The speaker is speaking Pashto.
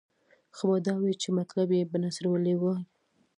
ښه به دا وای چې مطلب یې په نثر ویلی وای.